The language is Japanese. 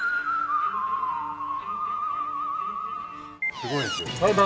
すごいんですよ。